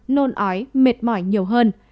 nôn ói mệt mỏi nhiều hơn